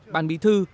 ban bí thư